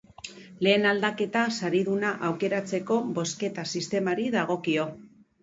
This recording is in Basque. Lehen aldaketa sariduna aukeratzeko bozketa-sistemari dagokio.